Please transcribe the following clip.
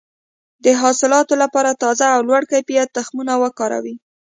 د حاصلاتو لپاره تازه او لوړ کیفیت تخمونه وکاروئ.